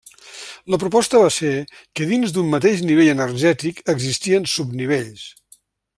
La proposta va ser que dins d'un mateix nivell energètic existien subnivells.